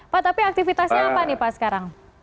pak tapi aktivitasnya apa nih pak sekarang